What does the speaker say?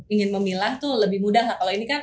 ingin memilah tuh lebih mudah nggak kalau ini kan